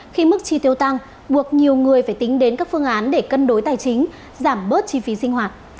khi mức chi tiêu tăng buộc nhiều người phải tính đến các phương án để cân đối tài chính giảm bớt chi phí sinh hoạt